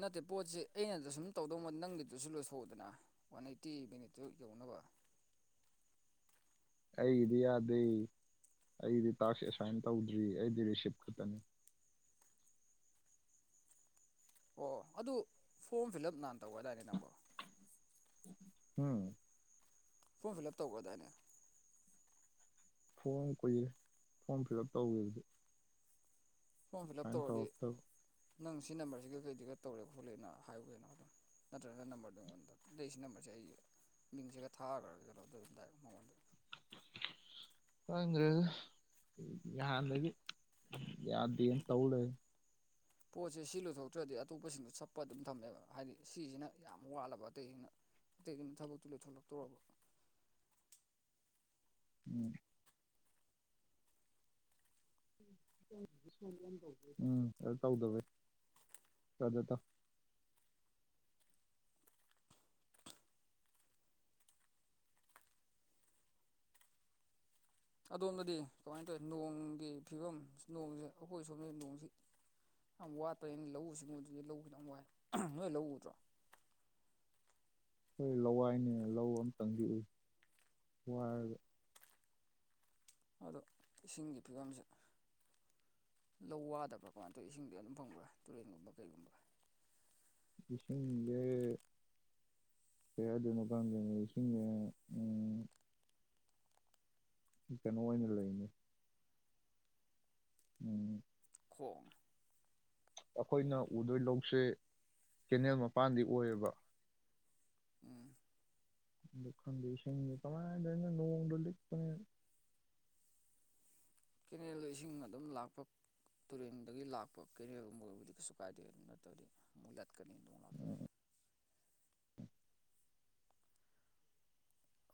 ꯅꯠꯇꯦ ꯄꯣꯠꯁꯦ ꯑꯩꯅꯗ ꯁꯨꯝ ꯇꯧꯗꯧꯕ ꯅꯪꯒꯤꯗꯨꯁꯨ ꯂꯣꯏꯊꯣꯛꯎꯨꯗꯅ ꯋꯥꯟ ꯑꯦꯠꯇꯤ ꯃꯤꯅꯤꯠꯇꯨ ꯌꯧꯅꯕ ꯑꯩꯒꯤꯗꯤ ꯌꯥꯗꯦ ꯑꯩꯗꯤ ꯇꯥꯛꯁ ꯑꯦꯁꯥꯏꯟ ꯇꯧꯗ꯭ꯔꯤ ꯑꯩꯗꯤ ꯔꯤꯁꯤꯞ ꯈꯛꯇꯅꯤ ꯑꯣ ꯑꯗꯨ ꯐꯣꯔꯝ ꯐꯤꯜ ꯎꯞ ꯅꯥꯍꯥꯜ ꯇꯧꯒꯔꯗꯥꯢꯅꯦ ꯅꯪꯕꯣ ꯎꯝ ꯐꯣꯝ ꯐꯤꯂ ꯎꯞ ꯇꯧꯒ꯭ꯔꯥꯗꯥꯏꯅꯦ ꯐꯣꯝ ꯀꯨꯏꯔꯦ ꯐꯣꯝ ꯐꯤꯜ ꯎꯞ ꯇꯧꯈꯤꯕꯗꯤ ꯐꯣꯝ ꯐꯤꯜ ꯑꯞ ꯑꯦꯁꯥꯏꯟ ꯇꯧꯔꯗꯤ ꯇꯧꯔꯛꯇꯕ ꯅꯪ ꯁꯤ ꯅꯝꯕꯔꯁꯤꯒ ꯀꯩꯀꯩꯅꯣꯒ ꯇꯧꯔꯦ ꯈꯣꯠꯂꯦꯅ ꯍꯥꯏꯌꯨꯒꯩꯅꯣ ꯑꯗꯨꯝ ꯅꯠꯇ꯭ꯔ ꯅ ꯅꯝꯕꯔ ꯗꯣ ꯁꯤ ꯂꯩ ꯅꯝꯕꯔꯁꯦ ꯑꯩ ꯃꯤꯡꯁꯤꯒ ꯊꯥꯈ꯭ꯔꯒ ꯑꯗꯨ ꯑꯗꯨꯝꯗꯥꯏ ꯃꯉꯣꯟꯗ ꯈꯪꯈ꯭ꯔꯦꯗ ꯅꯍꯥꯟꯗꯒꯤ ꯌꯥꯗꯦꯅ ꯇꯧ ꯂꯩ ꯄꯣꯠꯁꯦ ꯁꯤ ꯂꯣꯏꯊꯣꯛꯇ꯭ꯔꯗꯤ ꯑꯇꯣꯞꯄꯁꯤꯡꯗꯣ ꯆꯠꯄ ꯑꯗꯨꯝ ꯊꯝꯃꯦꯕ ꯍꯥꯏꯗꯤ ꯁꯤꯁꯤꯅ ꯌꯥꯝ ꯋꯥꯠꯂꯕ ꯑꯇꯩꯁꯤꯡꯅ ꯑꯇꯩꯁꯤꯅ ꯊꯕꯛꯛꯇꯣ ꯂꯣꯢꯊꯣꯛꯅꯕ ꯇꯧꯔꯕ ꯎꯝ ꯎꯝ ꯑꯗ ꯇꯧꯗꯕꯩ ꯑꯗ ꯇꯧ ꯑꯗꯣꯝꯗꯗꯤ ꯀꯃꯥꯏ ꯇꯧꯏ ꯅꯣꯡꯒꯤ ꯐꯤꯕꯝ ꯅꯣꯡꯁꯦ ꯑꯩꯈꯣꯏ ꯁꯣꯝꯗꯗꯤ ꯅꯣꯡꯁꯤ ꯌꯥꯝ ꯋꯥꯠꯄꯩ ꯂꯧꯎ ꯁꯤꯡꯎꯕꯖꯦ ꯂꯧ ꯈꯤꯇꯡ ꯋꯥꯏ ꯅꯣꯏ ꯂꯧ ꯎꯗ꯭ꯔꯣ ꯈꯣꯏ ꯂꯋꯥꯏꯅꯤꯅ ꯂꯧ ꯑꯝꯇꯪꯗꯤ ꯎꯏ ꯋꯥꯏꯔꯒ ꯑꯗꯣ ꯏꯁꯤꯡꯒꯤ ꯐꯤꯕꯝꯁꯦ ꯂꯧ ꯋꯥꯗꯕ꯭ꯔꯥ ꯀꯃꯥꯏ ꯇꯧꯏ ꯏꯁꯤꯡꯗꯤ ꯑꯗꯨꯝ ꯐꯪꯕ꯭ꯔꯥ ꯇꯨꯔꯦꯟꯒꯨꯝꯕ ꯀꯩꯒꯨꯝꯕ ꯏꯁꯤꯡꯖꯦ ꯍꯣ ꯑꯗꯨ ꯃꯇꯥꯡꯗꯅꯦ ꯏꯁꯤꯡꯁꯦ ꯎꯝ ꯀꯩꯅꯣ ꯑꯣꯏꯅ ꯂꯩꯕꯅꯦ ꯎꯝ ꯈꯣ ꯑꯩꯈꯣꯏꯅ ꯎꯗꯣꯏ ꯂꯧꯁꯦ ꯀꯦꯅꯦꯜ ꯃꯄꯥꯟꯗꯤ ꯑꯣꯏꯌꯦꯕ ꯎꯝ ꯑꯗꯣ ꯈꯪꯗꯦ ꯏꯁꯤꯡꯖꯦ ꯀꯃꯥꯏ ꯇꯧꯏꯅꯣ ꯅꯣꯡꯗꯣ ꯂꯤꯛꯄꯅꯦ ꯀꯦꯅꯦꯜꯗ ꯏꯁꯤꯡ ꯑꯗꯨꯝ ꯂꯥꯛꯄ ꯇꯨꯔꯦꯟꯗꯒꯤ ꯂꯥꯛꯄ ꯀꯦꯅꯦꯜꯒꯨꯝꯕ ꯑꯣꯏꯔꯕꯨꯗꯤ ꯀꯩꯁꯨ ꯀꯥꯏꯗꯦ ꯑꯗꯨ ꯅꯠꯇ꯭ꯔꯗꯤ ꯑꯃꯨꯛ ꯂꯠꯀꯅꯤ ꯅꯣꯡ ꯂꯥꯛꯇ꯭ꯔꯗꯤ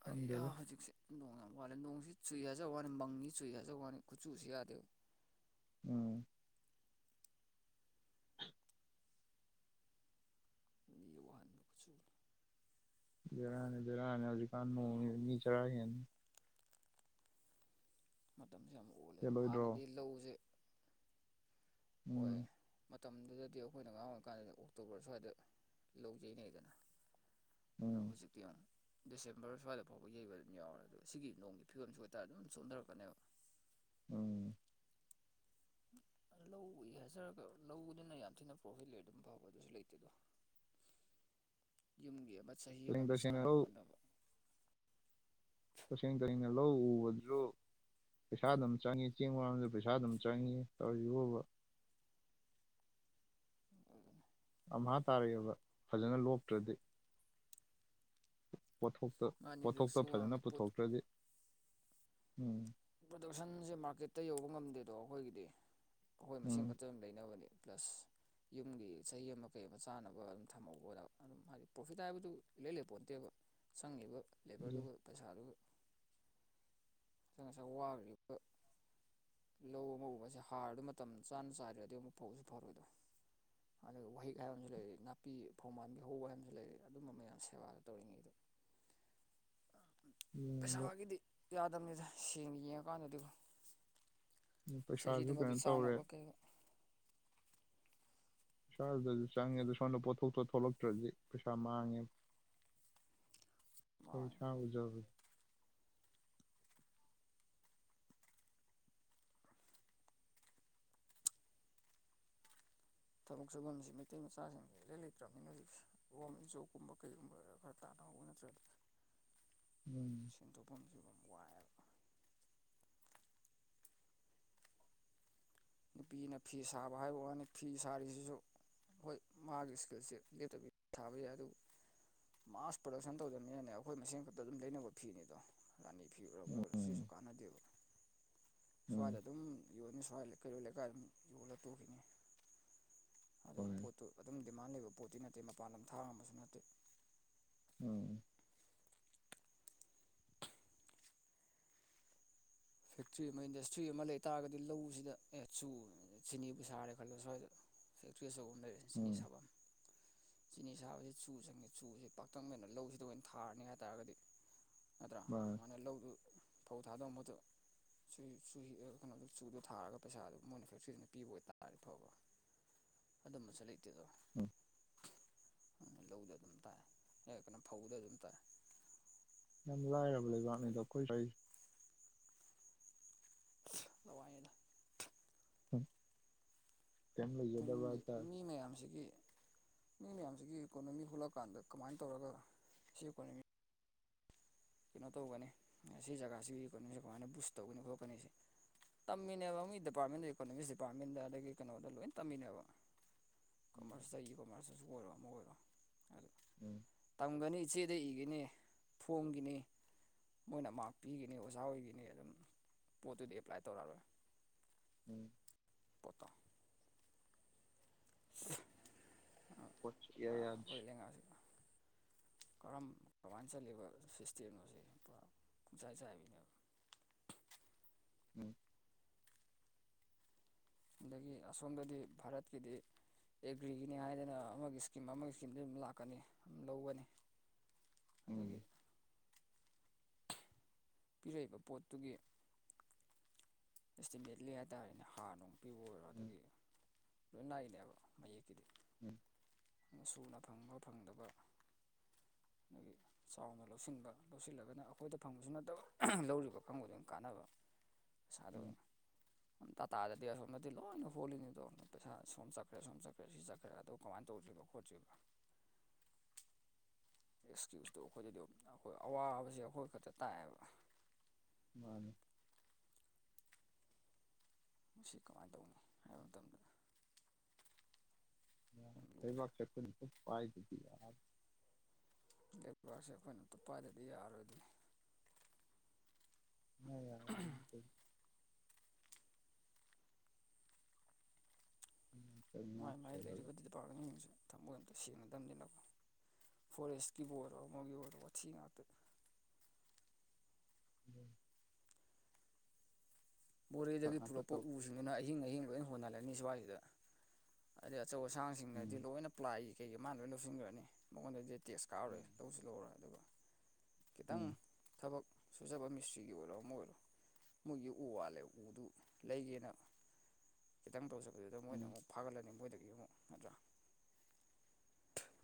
ꯈꯪꯗꯦꯗ ꯑꯩꯍꯥ ꯍꯧꯖꯤꯛꯁꯦ ꯅꯣꯡ ꯌꯥꯝ ꯋꯥꯠꯂꯦ ꯅꯣꯡꯖꯤ ꯆꯨꯏ ꯍꯥꯏꯖꯕ ꯋꯥꯅꯤ ꯃꯪꯅꯤ ꯆꯨꯏ ꯍꯥꯏꯖꯕ ꯋꯥꯅꯤ ꯀꯨꯆꯨꯁꯦ ꯌꯥꯗꯦꯕ ꯎꯝ ꯃꯤ ꯋꯥꯍꯟꯕꯁꯨ ꯕꯦꯔꯥꯅꯤ ꯕꯦꯔꯥꯅꯤ ꯍꯧꯖꯤꯛꯀꯥꯟ ꯅꯣꯡꯖꯦ ꯃꯤ ꯆꯔꯥ ꯍꯦꯟꯅꯤ ꯃꯇꯝꯖꯦ ꯌꯥꯝ ꯑꯣꯜꯂꯦ ꯍꯦꯜꯂꯣꯏꯗ꯭ꯔꯣ ꯍꯥꯟꯅꯗꯤ ꯂꯧꯖꯦ ꯍꯣꯏ ꯎꯝ ꯃꯇꯝꯗꯨꯗꯗꯤ ꯑꯈꯣꯏꯅ ꯑꯉꯥꯡ ꯑꯣꯏꯔꯤꯀꯥꯟꯗꯗꯤ ꯑꯣꯛꯇꯣꯕ꯭ꯔ ꯁ꯭ꯋꯥꯏꯗ ꯂꯧꯖꯦ ꯌꯩꯅꯩꯗꯅ ꯂꯧ ꯎꯝ ꯍꯧꯖꯤꯛ ꯇꯤꯌꯣꯡ ꯗꯤꯁꯦꯝꯕ꯭ꯔ ꯁ꯭ꯋꯥꯏꯗꯐꯥꯎꯕ ꯌꯩꯕ ꯑꯗꯨꯝ ꯌꯥꯎꯔꯦ ꯑꯗꯣ ꯁꯤꯒꯤ ꯅꯣꯡꯒꯤ ꯐꯤꯕꯝꯁꯤ ꯑꯣꯏꯇꯥꯔꯗꯤ ꯑꯗꯨꯝ ꯆꯣꯟꯗꯔꯛꯀꯅꯦꯕ ꯎꯝ ꯂꯧ ꯎꯏ ꯍꯥꯏꯖꯔꯒ ꯂꯧꯗꯨꯅ ꯌꯥꯝ ꯊꯤꯅ ꯄ꯭ꯔꯣꯐꯤꯠ ꯂꯩ ꯑꯗꯨꯝ ꯐꯕ ꯑꯗꯨꯁꯨ ꯂꯩꯇꯦꯗꯣ ꯌꯨꯝꯒꯤ ꯑꯃ ꯆꯍꯤ ꯇꯁꯦꯡ ꯑꯃꯒꯤ ꯇꯁꯦꯡꯅ ꯆꯥꯅꯕ ꯂꯧ ꯈꯣꯠꯅꯕ ꯇꯁꯦꯡ ꯇꯁꯦꯡꯅ ꯂꯧ ꯎꯕꯗꯨꯖꯨ ꯄꯩꯁꯥ ꯑꯗꯨꯝ ꯆꯪꯉꯤ ꯆꯦꯡ ꯋꯥꯟꯕꯖꯨ ꯄꯩꯁꯥ ꯑꯗꯨꯝ ꯆꯪꯏ ꯇꯧꯔꯤꯖꯤꯕꯣꯕ ꯎꯝ ꯑꯝꯍꯥ ꯇꯥꯔꯛꯑꯦꯕ ꯐꯖꯅ ꯂꯣꯛꯇ꯭ꯔꯗꯤ ꯄꯣꯠꯊꯣꯛꯇ ꯃꯥꯅꯤ ꯔꯤꯛꯁꯁꯨ ꯄꯣꯠꯊꯣꯛꯇ ꯐꯖꯅ ꯋꯥꯡꯉꯤ ꯄꯣꯠ ꯄꯨꯊꯣꯛꯇ꯭ꯔꯗꯤ ꯎꯝ ꯄ꯭ꯔꯗꯛꯁꯟꯁꯦ ꯃꯥꯔꯀꯦꯠꯇ ꯌꯧꯕ ꯉꯝꯗꯦꯗꯣ ꯑꯩꯈꯣꯏꯒꯤꯗꯤ ꯑꯩꯈꯣꯏ ꯃꯁꯦꯟ ꯎꯝ ꯈꯠꯇꯪ ꯂꯩꯩꯅꯕꯅꯤ ꯄ꯭ꯂꯁ ꯌꯨꯝꯒꯤ ꯆꯍꯤ ꯑꯃ ꯀꯩ ꯑꯃ ꯆꯥꯅꯕ ꯑꯗꯨꯝ ꯊꯝꯍꯧꯕ ꯑꯣꯏꯅꯕ ꯑꯗꯨꯝ ꯍꯥꯏꯗꯤ ꯄ꯭ꯔꯣꯐꯤꯠ ꯍꯥꯏꯕꯗꯨ ꯏꯂꯩ ꯂꯩꯄꯣꯟꯇꯦꯕ ꯆꯪꯉꯤꯕ ꯑꯗꯨ ꯂꯦꯕ꯭ꯔꯗꯨꯒ ꯄꯩꯁꯥꯗꯨꯒ ꯑꯗ ꯉꯁꯥꯏ ꯋꯥꯒ꯭ꯔꯤꯗꯨꯒ ꯂꯧ ꯑꯃ ꯎꯕꯁꯦ ꯍꯥꯔꯗꯨ ꯃꯇꯝ ꯆꯥꯅ ꯆꯥꯏꯗ꯭ꯔꯗꯤ ꯑꯃꯨꯛ ꯐꯧꯖꯤ ꯐꯔꯣꯏꯗꯣ ꯑꯗꯨꯒ ꯋꯥꯍꯤꯛ ꯍꯥꯏꯕ ꯑꯃꯖꯨ ꯂꯩꯔꯤ ꯅꯥꯄꯤ ꯐꯧꯃꯥꯟꯕꯤ ꯍꯧꯕ ꯍꯥꯏꯕ ꯑꯃꯖꯨ ꯂꯩꯔꯤ ꯑꯗꯨꯝꯕ ꯃꯌꯥꯝ ꯁꯦꯕꯥꯗꯣ ꯇꯧꯔꯤꯉꯩꯗ ꯑꯗꯨ ꯄꯩꯁꯥꯒꯤꯗꯤ ꯌꯥꯗꯝꯅꯤꯗ ꯁꯦꯡꯅ ꯌꯦꯡꯉꯀꯥꯟꯗꯗꯤꯀꯣ ꯎꯝ ꯄꯩꯁꯥꯖꯨ ꯆꯍꯤꯗꯨꯃꯒꯤ ꯀꯩꯅꯣ ꯇꯧꯔꯦ ꯆꯥꯅꯕ ꯀꯩ ꯕꯤꯁꯥꯜꯗꯖꯨ ꯆꯪꯉꯦ ꯑꯗꯣ ꯁꯣꯟꯗ ꯄꯣꯠꯊꯣꯛꯇꯣ ꯊꯣꯛꯂꯛꯇ꯭ꯔꯗꯤ ꯄꯩꯁꯥ ꯃꯥꯡꯉꯦ ꯈꯣꯏ ꯃꯥꯡꯉꯦ ꯏꯁꯥꯥꯅ ꯎꯖꯕꯗꯤ ꯊꯕꯛ ꯆꯪꯕꯝꯖꯦ ꯃꯩꯇꯩ ꯃꯆꯥꯖꯤꯡꯖꯦ ꯏꯂꯩ ꯂꯩꯇ꯭ꯔꯝꯅꯤꯅꯦ ꯍꯧꯖꯤꯛꯖꯦ ꯒꯣꯔꯃꯦꯟ ꯖꯣꯞ ꯀꯨꯝꯕ ꯀꯩꯒꯨꯝꯕ ꯈꯔ ꯇꯥꯅꯍꯧꯕ ꯅꯠꯇ꯭ꯔꯗꯤ ꯎꯝ ꯁꯦꯟꯊꯣꯛꯐꯝꯖꯦ ꯌꯥꯝ ꯋꯥꯏꯑꯦꯕ ꯅꯨꯄꯤꯅ ꯐꯤ ꯁꯥꯕ ꯍꯥꯏꯕ ꯋꯥꯅꯤ ꯐꯤ ꯁꯥꯔꯤꯁꯤꯁꯨ ꯍꯣꯏ ꯃꯥꯒꯤ ꯏꯁꯀꯤꯜꯁꯦ ꯂꯦꯞꯇꯕꯤ ꯊꯥꯕ ꯌꯥꯏ ꯑꯗꯨꯕꯨ ꯃꯥꯁ ꯄ꯭ꯔꯗꯛꯁꯟ ꯇꯧꯗꯕꯅꯤꯅꯅꯦ ꯑꯩꯈꯣꯏ ꯃꯁꯦꯟ ꯈꯛꯇ ꯑꯗꯨꯝ ꯂꯩꯅꯕ ꯐꯤꯅꯤꯗꯣ ꯔꯥꯅꯤ ꯐꯤ ꯑꯣꯏꯔꯕꯨ ꯑꯣꯏꯔꯁꯨ ꯁꯤꯁꯨ ꯎꯝ ꯀꯥꯟꯅꯗꯦꯕ ꯎꯝ ꯁ꯭ꯋꯥꯏꯗ ꯑꯗꯨꯝ ꯌꯣꯟꯅꯤ ꯁ꯭ꯋꯥꯏ ꯂꯩ ꯀꯩꯔꯣꯏ ꯂꯩꯀꯥꯏꯗ ꯑꯗꯨꯝ ꯌꯣꯜꯂ ꯇꯣꯛꯈꯤꯅꯤ ꯑꯗꯣ ꯍꯣꯏ ꯄꯣꯠꯇꯨ ꯑꯗꯨꯝ ꯗꯤꯃꯥꯟ ꯂꯩꯕ ꯄꯣꯠꯇꯤ ꯅꯠꯇꯦ ꯃꯄꯥꯟ ꯂꯝ ꯊꯥꯔꯝꯕꯁꯨ ꯅꯠꯇꯦ ꯎꯝ ꯐꯦꯛꯇ꯭ꯔꯤ ꯑꯃ ꯏꯟꯗꯁꯇ꯭ꯔꯤ ꯑꯃ ꯂꯩꯇꯥꯥꯔꯒꯗꯤ ꯂꯧꯁꯤꯗ ꯑꯦ ꯆꯨ ꯆꯤꯅꯤꯕꯨ ꯁꯥꯔꯦ ꯈꯜꯂꯣ ꯁ꯭ꯋꯥꯏꯗ ꯐꯛꯇ꯭ꯔꯤ ꯑꯆꯧꯕ ꯑꯃ ꯂꯩꯔꯦ ꯆꯤꯅꯤ ꯎꯝ ꯁꯥꯕꯝ ꯆꯤꯅꯤ ꯁꯥꯕꯁꯤ ꯆꯨ ꯆꯪꯉꯦ ꯆꯨꯖꯦ ꯄꯥꯛꯇꯛꯅꯅ ꯂꯧꯖꯤꯗ ꯑꯣꯏꯅ ꯊꯥꯔꯅꯤ ꯍꯥꯏꯇꯥꯔꯒꯗꯤ ꯅꯠꯇ꯭ꯔ ꯃꯥ ꯩꯅ ꯂꯧꯗꯨ ꯐꯧ ꯊꯥꯗꯣꯛꯑꯝꯕꯗꯨ ꯁꯨ ꯆꯨ ꯀꯩꯅꯣꯗꯣ ꯆꯨꯗꯣ ꯊꯥꯔꯒ ꯄꯩꯁꯥꯗꯨꯣ ꯃꯣꯏꯅꯤꯐꯦꯛꯇ꯭ꯔꯤꯗꯨꯅ ꯄꯤꯕ ꯑꯣꯏꯇꯥꯔꯗꯤ ꯐꯕ ꯑꯗꯨꯝꯕꯁꯨ ꯂꯩꯇꯦꯗꯣ ꯎꯝ ꯎ ꯂꯧꯗ ꯑꯗꯨꯝ ꯇꯥꯏ ꯍ ꯀꯩꯅꯣ ꯐꯧꯗ ꯑꯗꯨꯝ ꯇꯥꯏ ꯌꯥꯝ ꯂꯥꯛꯑꯦꯕ ꯋꯥꯅꯤꯗ ꯀꯣꯏ ꯀ ꯂꯥꯏꯅ ꯀꯅ ꯌꯗꯕ ꯇꯨꯡꯒꯤ ꯇ ꯃꯤ ꯃꯌꯥꯝꯁꯤꯒꯤ ꯃꯤ ꯃꯌꯥꯝꯁꯤꯒꯤ ꯏꯀꯣꯅꯣꯃꯤ ꯍꯨꯜꯂꯛꯀꯥꯟꯗ ꯀꯃꯥꯏꯅ ꯇꯧꯔꯒ ꯁꯤ ꯏꯀꯣꯅꯣꯃꯤ ꯀꯩꯅꯣ ꯇꯧꯒꯅꯤ ꯁꯤ ꯖꯒꯥꯁꯤ ꯀꯩꯅꯣꯁꯦ ꯀꯃꯥꯏꯅ ꯕꯨꯁ ꯇꯧꯒꯅꯤ ꯈꯣꯠꯀꯅꯤꯁꯦ ꯇꯝꯃꯤꯅꯦꯕ ꯃꯤ ꯗꯤꯄꯥꯔꯠꯃꯦꯟꯗ ꯏꯀꯣꯅꯣꯃꯤꯛꯁ ꯗꯤꯄꯥꯔꯠꯃꯦꯟꯗ ꯑꯗꯒꯤ ꯀꯩꯅꯣꯗ ꯂꯣꯏ ꯇꯝꯃꯤꯅꯦꯕ ꯎꯝ ꯀꯃꯔꯁꯇꯒꯤ ꯀꯣꯃꯔꯁꯇꯁꯨ ꯑꯣꯏꯔꯣ ꯑꯃ ꯑꯣꯏꯔꯣ ꯎꯝ ꯐꯪꯒꯅꯤ ꯏꯆꯦꯗ ꯏꯈꯤꯅꯤ ꯐꯣꯡꯒꯤꯅꯤ ꯃꯣꯏꯅ ꯃꯥꯔꯛ ꯄꯤꯈꯤꯅꯤ ꯑꯣꯖꯥ ꯑꯣꯏꯈꯤꯅꯤ ꯑꯗꯨꯝ ꯄꯣꯠꯇꯨꯗꯤ ꯑꯦꯄ꯭ꯂꯥꯏ ꯇꯧꯔꯛꯑꯔꯣꯏ ꯎꯝ ꯄꯇꯥꯣ ꯄꯨ ꯄꯣꯠ ꯁꯨꯛꯌꯥ ꯌꯥꯗ꯭ꯔꯦ ꯀꯣꯏ ꯂꯉꯁꯤ [unintelligible] ꯀꯔꯝ ꯀꯃꯥꯏꯅ ꯆꯠꯂꯤꯕ ꯐꯦꯁꯇꯤꯕꯅꯣꯁꯦ ꯄꯨ ꯄꯨꯡꯆꯥꯏ ꯆꯥꯏꯕꯤꯅꯦꯕ ꯎꯝ ꯑꯗꯒꯤ ꯑꯁꯣꯝꯗꯗꯤ ꯚꯥꯔꯠꯀꯤꯗꯤ ꯑꯦꯒ꯭ꯔꯤꯒꯤꯅꯤ ꯍꯥꯏꯗꯅ ꯑꯃꯒꯤ ꯏꯁꯀꯤꯝ ꯑꯃꯒꯤ ꯏꯁꯀꯤꯝꯗꯨ ꯑꯗꯨꯝ ꯂꯥꯛꯀꯅꯤ ꯑꯗꯨꯝ ꯂꯧꯒꯅꯤ ꯎꯝ ꯑꯗꯒꯤ ꯄꯤꯔꯛꯏꯕ ꯄꯣꯠꯇꯨꯒꯤ ꯑꯦꯁꯇꯤꯃꯦꯠꯂꯤ ꯍꯥꯏꯇꯥꯔꯦꯅꯦ ꯍꯥꯔ ꯅꯨꯡ ꯄꯤꯕ ꯑꯣꯏꯔꯣ ꯎꯝ ꯑꯗꯨꯒꯤ ꯂꯣꯏ ꯂꯥꯛꯏꯅꯦꯕ ꯃꯌꯦꯛꯀꯤꯗꯤ ꯎꯝ ꯁꯨꯅ ꯐꯪꯕ ꯐꯪꯗꯕ ꯃꯥꯒꯤ ꯆꯥꯎꯅ ꯂꯧꯁꯤꯟꯕ ꯂꯧꯁꯤꯜꯂꯒꯅ ꯑꯩꯈꯣꯏꯗ ꯐꯪꯕꯁꯨ ꯅꯠꯇꯕ ꯂꯧꯔꯤꯕ ꯐꯪꯕꯗꯝ ꯀꯥꯟꯅꯕ ꯄꯁ ꯎꯝ ꯑꯗꯨꯅ ꯇꯥꯇꯥꯗꯗꯤ ꯑꯁꯣꯝꯗꯗꯤ ꯂꯣꯏꯅ ꯍꯣꯜꯂꯤꯅꯤꯗꯣ ꯄꯩꯁꯥ ꯁꯣꯝ ꯆꯠꯈ꯭ꯔꯦ ꯁꯣꯝ ꯆꯠꯈ꯭ꯔꯦ ꯁꯤ ꯆꯠꯈ꯭ꯔꯦ ꯑꯗ ꯀꯃꯥꯏꯅ ꯇꯧꯁꯤꯣꯏꯅꯣ ꯈꯣꯠꯁꯤꯕ ꯑꯦꯛꯁꯀ꯭ꯌꯨꯁꯇꯣ ꯑꯩꯈꯣꯏꯗꯗꯤ ꯑꯗꯨꯝ ꯑꯩꯈꯣꯏ ꯑꯋꯥꯕꯁꯦ ꯑꯩꯈꯣꯏ ꯈꯛꯇ ꯇꯥꯏꯑꯕ ꯃꯥꯅꯦ ꯃꯁꯤ ꯀꯃꯥꯏꯅ ꯇꯧꯅꯤ ꯍꯥꯏꯕ ꯃꯇꯝꯗ ꯌꯥꯝ ꯂꯨꯔꯦ ꯍꯕꯥꯛꯁꯅꯤ ꯄꯥꯏꯗꯤ ꯂꯄꯁꯦ ꯑꯩꯈꯣꯏꯅ ꯎꯄꯥꯏꯗꯗꯤ ꯌꯥꯔꯗꯤ ꯎ ꯌꯥ ꯃꯥꯏ ꯉꯥꯛ ꯃꯥꯏ ꯁꯦꯜꯂꯒ ꯂꯩꯔꯤꯕꯗꯤꯄꯥꯔꯠꯃꯦꯟꯁꯤꯡꯁꯨ ꯊꯃꯣꯏ ꯑꯝꯇ ꯁꯦꯡꯅꯗꯕꯅꯤꯅꯀꯣ ꯐꯣꯔꯦꯁꯀꯤꯕꯨ ꯑꯣꯏꯔꯣ ꯑꯃꯒꯤ ꯑꯣꯏꯔꯣ ꯋꯥꯊꯤ ꯉꯥꯛꯇꯅꯤ [inaudible] ꯐꯛ ꯃꯣꯔꯦꯗꯒꯤ ꯉꯥꯛꯇ ꯄꯨꯔꯛꯄ ꯇꯧ ꯎꯁꯤꯡꯗꯨꯅ ꯑꯍꯤꯡ ꯑꯍꯤꯡ ꯂꯣꯏ ꯑꯣꯏꯅ ꯍꯣꯟꯅꯜꯂꯅꯤ ꯁ꯭ꯋꯥꯏꯁꯤꯗ ꯑꯗꯩ ꯑꯆꯧ ꯎꯝ ꯑꯁꯥꯡꯁꯤꯡꯅꯗꯤ ꯂꯣꯏꯅ ꯄ꯭ꯂꯥꯏ ꯀꯩꯀ ꯃꯥꯅ ꯂꯣꯏꯅ ꯂꯧꯁꯤꯟꯈ꯭ꯔꯅꯤ ꯃꯉꯣꯟꯗꯗꯤ ꯇꯦꯁ ꯀꯥꯔꯦ ꯎꯝ ꯂꯧꯁꯨ ꯂꯧꯔꯦ ꯑꯗꯨꯒ ꯈꯤꯇꯪ ꯎꯝ ꯊꯕꯛ ꯁꯨꯖꯕ ꯃꯤꯁꯇ꯭ꯔꯤꯒꯤ ꯑꯣꯏꯔꯣ ꯑꯃ ꯑꯣꯏꯔꯣ ꯃꯣꯏꯒꯤ ꯎ ꯋꯥꯜꯂꯦ ꯎꯗꯨ ꯂꯩꯒꯦꯅ ꯈꯤꯇꯪ ꯇꯧꯖꯄꯗꯨꯗ ꯃꯣꯏꯅ ꯎꯝ ꯑꯃꯨꯛ ꯐꯥꯒꯠꯂꯅꯤ ꯃꯣꯏꯗꯒꯤ ꯑꯃꯨꯛ ꯅꯠꯇ꯭ꯔꯥ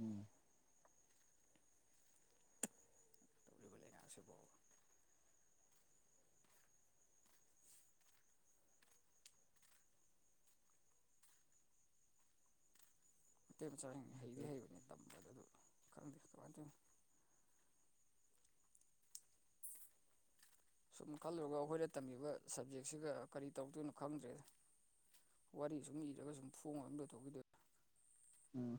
ꯎꯝ ꯑꯁꯕ ꯑꯇꯦꯝꯅ ꯆꯥꯅꯤꯡꯅꯤ ꯍꯩꯗꯤ ꯍꯩꯕꯅꯤ ꯇꯝꯕꯗ ꯑꯗꯨ ꯈꯪꯗꯦ ꯀꯃꯥꯏꯅ ꯇꯧꯅꯣ ꯁꯨꯝ ꯈꯜꯂꯨꯔꯒ ꯑꯩꯈꯣꯏꯅ ꯇꯝꯃꯤꯕ ꯁꯕꯖꯦꯛꯁꯤꯒ ꯀꯔꯤ ꯇꯧꯗꯣꯏꯅꯣ ꯈꯪꯗ꯭ꯔꯦ ꯋꯥꯔꯤ ꯁꯨꯝ ꯏꯔꯒ ꯁꯨꯝ ꯐꯣꯡ ꯑꯗ ꯇꯧꯈꯤꯗꯕ ꯎꯝ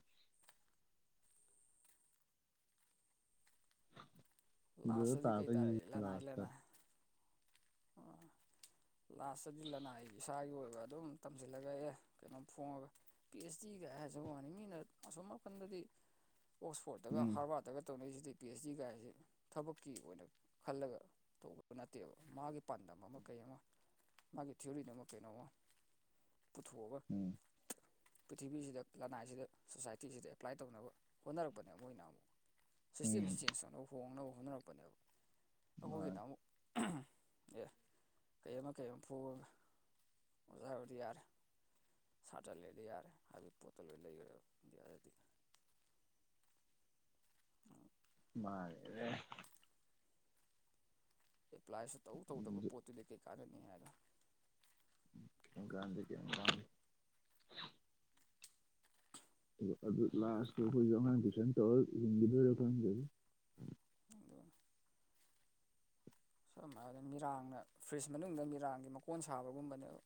ꯁꯤꯗ ꯂꯥꯁꯇꯗꯤ ꯀꯩ ꯇꯔꯦ ꯇꯥꯔꯛꯇꯣꯏꯅꯤꯅꯦ ꯂꯅꯥꯏ ꯂꯥꯁꯇ ꯂꯅꯥꯏ ꯑꯣ ꯂꯥꯁꯇꯗꯤ ꯂꯅꯥꯏ ꯏꯁꯥꯒꯤ ꯑꯣꯏꯕ ꯑꯗꯨꯝ ꯇꯝꯁꯤꯜꯂꯒ ꯑꯦ ꯀꯩꯅꯣꯝ ꯐꯣꯡꯉꯒ ꯄꯤ ꯑꯩꯆ ꯗꯤ ꯀꯥꯏ ꯍꯥꯏꯔꯁꯨ ꯋꯥꯅꯤꯡꯉꯤꯅ ꯑꯁꯣꯝ ꯅꯥꯄꯟꯗꯗꯤ ꯑꯣꯛꯁꯐꯣꯔꯗꯠꯇꯒ ꯎꯝ ꯍꯥꯔꯕꯥꯔꯗꯒ ꯇꯧꯅꯩꯁꯤꯗꯤ ꯄꯤ ꯑꯦꯁ ꯗꯤ ꯀꯥꯏꯁꯦ ꯊꯕꯛꯀꯤ ꯑꯣꯏꯅ ꯈꯜꯂꯒ ꯇꯧꯕꯗꯨ ꯅꯠꯇꯦꯕ ꯃꯥꯒꯤ ꯄꯥꯟꯗꯝ ꯑꯃ ꯀꯩ ꯑꯃ ꯃꯥꯒꯤ ꯊꯤꯑꯣꯔꯤꯗ ꯑꯃ ꯀꯩꯅꯣꯝꯃ ꯄꯨꯊꯣꯛꯑꯒ ꯎꯝ ꯄ꯭ꯔꯤꯊꯤꯕꯤꯁꯤꯗ ꯂꯅꯥꯏꯁꯤꯗ ꯁꯣꯁꯥꯏꯇꯤꯁꯤꯗ ꯑꯦꯄ꯭ꯂꯥꯏ ꯇꯧꯅꯕ ꯍꯣꯠꯅꯔꯛꯄꯅꯦ ꯃꯣꯏꯅ ꯑꯃꯨꯛ ꯁꯤꯁꯇꯦꯝꯁꯤ ꯎꯝ ꯆꯦꯟꯖ ꯑꯅꯧ ꯍꯣꯡꯅꯕ ꯍꯣꯠꯅꯔꯛꯄꯅꯦꯕ ꯑꯩꯈꯣꯏꯒꯤꯅ ꯃꯥꯅꯦ ꯑꯃꯨꯛ ꯑꯦ ꯀꯩ ꯑꯃ ꯀꯩ ꯑꯃ ꯐꯣꯡꯉꯒ ꯑꯣꯖꯥ ꯍꯥꯏꯕꯗꯤ ꯌꯥꯔꯦ ꯁꯥꯇꯔꯥ ꯂꯩꯔꯗꯤ ꯌꯥꯔꯦ ꯍꯥꯏꯕꯗꯤ ꯄꯣꯠꯇꯣ ꯂꯣꯏ ꯂꯩꯒꯔꯦꯕ ꯍꯥꯏꯗꯤ [unintelligible] ꯑꯦꯄ꯭ꯂꯥꯏꯁꯨ ꯇꯧ ꯇꯧꯗꯕ ꯍꯧꯖꯤꯛ ꯄꯣꯠꯇꯨꯗꯤ ꯀꯩ ꯀꯥꯟꯅꯅꯤ ꯍꯥꯏꯔ [unintelligible] ꯑꯗꯨ ꯂꯥꯁꯇ ꯑꯩꯈꯣꯏꯁꯨ ꯑꯉꯥꯡ ꯇꯨꯏꯁꯟ ꯇꯧꯔꯒ ꯍꯤꯡꯈꯤꯗꯣꯏꯔ ꯈꯖꯒ ꯑꯗꯨꯅꯤ ꯁꯨ ꯍꯥꯏꯅ ꯃꯤꯔꯥꯡꯅ ꯐ꯭ꯔꯤꯖ ꯃꯅꯨꯡꯗ ꯃꯤꯔꯥꯡꯒꯤ ꯃꯀꯣꯟ ꯁꯥꯕꯒꯨꯝꯕꯅꯦꯕ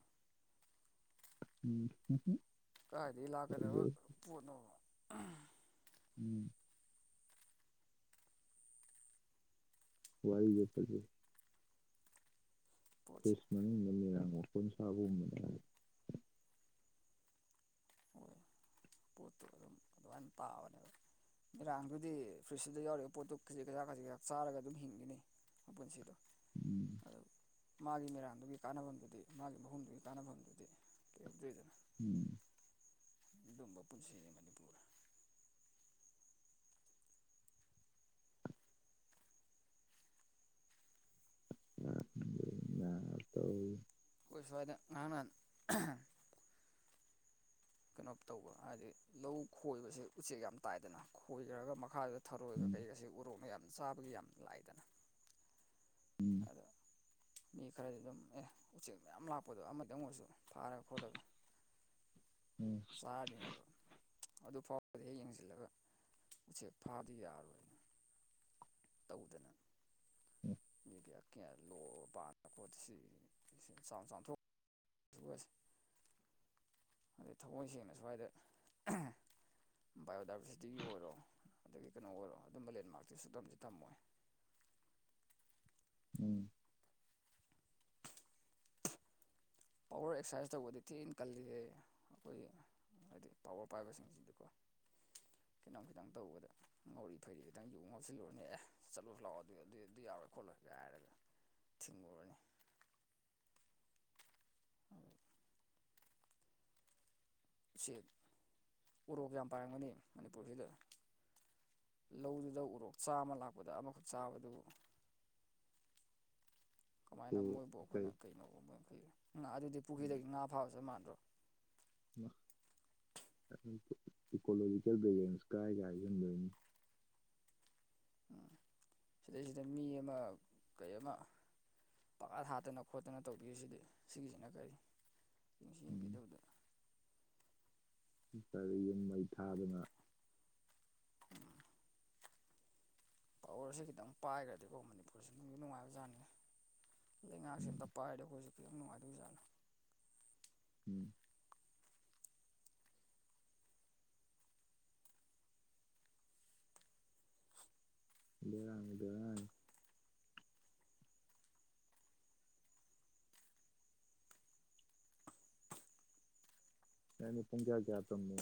[unintelligible] ꯀꯗꯥꯥꯏꯗꯒꯤ ꯂꯥꯛꯀꯗꯕ ꯐꯖꯩ ꯄꯣꯠꯅꯣꯕ ꯎꯝ [unintelligible] ꯄꯣꯠꯁꯦ ꯐ꯭ꯔꯦꯁ ꯃꯅꯨꯡꯃꯤꯔꯥꯡ ꯋꯥꯄꯣꯟ ꯁꯥꯕꯒꯨꯝꯕ ꯍꯣꯏ ꯄꯣꯠꯇꯨ ꯑꯗꯨꯝ ꯑꯗꯨꯃꯥꯏꯅ ꯇꯥꯕꯅꯦꯕ ꯏꯔꯥꯡꯗꯨꯗꯤ ꯐ꯭ꯔꯤꯖꯇꯨꯗ ꯌꯥꯎꯔꯤꯕ ꯄꯣꯠꯇꯨ ꯈꯖꯤꯛ ꯈꯖꯥꯛ ꯈꯖꯤꯛ ꯈꯖꯥꯛ ꯆꯥꯔꯒ ꯑꯗꯨꯝ ꯍꯤꯡꯒꯤꯅꯤ ꯃ ꯄꯨꯟꯁꯤꯗ ꯎꯝ ꯑꯗꯨ ꯃꯥꯒꯤ ꯃꯦꯔꯥꯡꯗꯨꯒꯤ ꯀꯥꯟꯅꯐꯝꯗꯨꯗꯤ ꯃꯥꯒꯤ ꯃꯍꯨꯝꯗꯨꯒꯤ ꯀꯥꯟꯅꯐꯝꯗꯨꯗꯤ ꯀꯩꯍꯧꯗꯣꯏꯗꯅ ꯎꯝ ꯑꯗꯨꯝꯕ ꯄꯨꯟꯁꯤꯅꯦ ꯃꯅꯤꯄꯨꯔ ꯉꯍꯥꯛꯇꯪ [inaudible] ꯇꯧꯔꯤ ꯑꯩꯈꯣꯏ ꯁꯋꯥꯏꯗ ꯉꯥꯔꯥꯡ ꯅꯥꯍꯟ ꯀꯅꯣꯞ ꯇꯧꯕ ꯍꯥꯏꯗꯤ ꯂꯧ ꯈꯣꯏꯕꯁꯤ ꯎꯆꯦꯛ ꯌꯥꯝ ꯇꯥꯏꯗꯅ ꯈꯣꯏꯈ꯭ꯔꯒ ꯃꯈꯥꯗ ꯊꯔꯣꯏꯒ ꯎꯝ ꯀꯩꯒꯁꯤ ꯎꯔꯣꯛꯅ ꯌꯥꯝ ꯆꯥꯕꯒꯤ ꯌꯥꯝ ꯂꯥꯏꯗꯅ ꯎꯝ ꯑꯗ ꯃꯤ ꯈꯔꯗꯤ ꯑꯗꯨꯝ ꯑꯦ ꯎꯆꯦꯛ ꯃꯌꯥꯝ ꯂꯥꯛꯄꯗꯣ ꯑꯃꯗꯪ ꯑꯣꯏꯔꯁꯨ ꯐꯥꯔꯒ ꯈꯣꯠꯂꯒ ꯎꯝ ꯆꯥꯔꯤꯅꯦꯕ ꯑꯗꯨ ꯐꯥꯎꯕꯗꯤ ꯑꯩ ꯌꯦꯡꯁꯤꯜꯂꯒ ꯎꯆꯦꯛ ꯐꯥꯕꯗꯤ ꯌꯥꯔꯣꯏ ꯇꯧꯗꯅ ꯎꯝ ꯃꯦꯗꯤꯌꯥ ꯀꯌꯥ ꯂꯣ ꯄꯥꯟ ꯄꯣꯠꯁꯤ ꯆꯥꯝ ꯆꯥꯝꯊꯣꯛ ꯑꯗꯨꯒꯁꯤ ꯑꯗꯩ ꯊꯃꯣꯏ ꯁꯦꯡꯅ ꯁ꯭ꯋꯥꯏꯗ ꯕꯥꯏꯑꯣꯗꯥꯏꯕꯔꯁꯤꯇꯤꯒꯤ ꯑꯣꯏꯔꯣ ꯑꯗꯒꯤ ꯀꯩꯅꯣ ꯑꯣꯏꯔꯣ ꯑꯗꯨꯝꯕ ꯂꯦꯟꯃꯥꯛꯇꯤ ꯁꯨꯛꯇꯝꯗꯤ ꯇꯝꯃꯣꯏ ꯎꯝ ꯄꯋꯥꯔ ꯑꯦꯛꯁꯔꯁꯥꯏꯁ ꯇꯧꯕꯗꯤ ꯊꯤꯅ ꯀꯜꯂꯤꯁꯦ ꯑꯩꯈꯣꯏꯒꯤ ꯍꯥꯏꯗꯤ ꯇꯋꯥꯔ ꯄꯥꯏꯕꯁꯤꯡꯁꯤꯗꯤꯀꯣ ꯀꯩꯅꯣꯝ ꯈꯤꯇꯪ ꯇꯧꯕꯗ ꯉꯧꯔꯤ ꯐꯩꯔꯤ ꯈꯤꯇꯪ ꯌꯨ ꯉꯥꯎꯁꯤꯜꯂꯨꯔꯅꯤ ꯑꯦ ꯆꯠꯂꯨꯔꯁꯤ ꯂꯥꯛꯑꯣ ꯑꯗꯨ ꯑꯗꯨ ꯑꯗꯨ ꯌꯥꯔꯣꯏ ꯈꯣꯠꯂꯣꯏꯒ ꯍꯥꯏꯔꯒ ꯊꯤꯡꯉꯨꯔꯅꯤ [inaudible] ꯎꯆꯦꯛ ꯎꯔꯣꯛ ꯌꯥꯝ ꯄꯥꯏꯔꯝꯒꯅꯤ ꯃꯅꯤꯄꯨꯔꯁꯤꯗ ꯂꯧꯗꯨꯗ ꯎꯔꯣꯛ ꯆꯥ ꯑꯃ ꯂꯥꯛꯄꯗ ꯑꯃꯈꯛ ꯆꯥꯕꯗꯨ ꯀꯃꯥꯏꯅ ꯀꯣ ꯃꯣꯏꯕꯨ ꯀꯩ ꯑꯩꯈꯣꯏꯅ ꯀꯩꯅꯣ ꯃꯣꯏꯩ ꯉꯥ ꯑꯗꯨꯗꯤ ꯄꯨꯈ꯭ꯔꯤꯗꯒꯤ ꯉꯥ ꯐꯥꯕꯁꯦ ꯃꯥꯟꯗ꯭ꯔꯣ ꯏꯀꯣꯂꯣꯖꯤꯀꯦꯜ ꯕꯦꯂꯦꯟꯁ ꯀꯥꯏ ꯀꯥꯏꯒꯟꯗꯣꯏꯅꯤ ꯎꯝ ꯁꯤꯗꯩꯁꯤꯗ ꯃꯤ ꯑꯃ ꯀꯩ ꯑꯃ ꯄꯪꯍꯥꯠ ꯍꯥꯠꯇꯅ ꯈꯣꯠꯇꯅ ꯇꯧꯕꯤꯔꯤꯁꯤꯗꯤ ꯁꯤꯒꯤꯁꯤꯅ ꯀꯔꯤ [inaudible] ꯌꯦꯡꯕꯤꯗꯕꯗ ꯀꯔꯤ ꯌꯨꯝ ꯃꯩ ꯊꯥꯗꯅ ꯇꯧꯔꯁꯤꯗꯤ ꯈꯤꯇꯪ ꯄꯥꯏꯒ꯭ꯔꯗꯤꯀꯣ ꯃꯅꯤꯄꯨꯔꯁꯦ ꯅꯨꯡꯗꯤ ꯅꯨꯡꯉꯥꯏꯕꯖꯥꯠꯅꯤ ꯂꯩꯉꯥꯛꯁꯦ ꯎꯝ ꯑꯝꯇ ꯄꯥꯏꯔꯗꯤ ꯑꯩꯈꯣꯏꯁꯦ ꯈꯤꯇꯪ ꯅꯨꯡꯉꯥꯏꯗꯣꯏꯖꯥꯠꯅꯤ [inaudible] [inaudible] ꯑꯩꯅ ꯄꯨꯡ ꯀꯌꯥ ꯀꯌꯥ ꯇꯝꯅꯦ